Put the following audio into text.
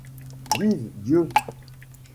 Vive Dieu !